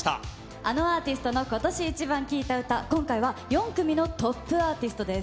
あのアーティストの今年イチバン聴いた歌、今回は４組のトップアーティストです。